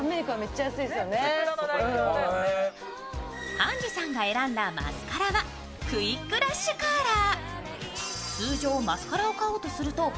ｈａｎｊｅｅさんが選んだマスカラはクイックラッシュカーラー。